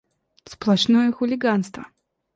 Сплошное хулиганство!